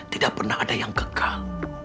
tidak pernah ada yang kekal